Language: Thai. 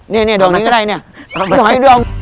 นี่ดอกนี้ก็ได้เนี่ย